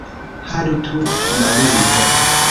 Haltu, Maluto!